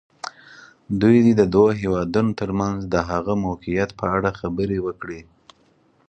دوی دې د دوو هېوادونو تر منځ د هغه موقعیت په اړه خبرې وکړي.